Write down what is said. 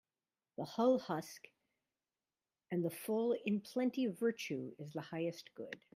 The hull husk and the full in plenty Virtue is the highest good.